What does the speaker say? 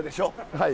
はい。